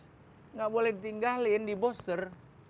tidak boleh ditinggalin di boster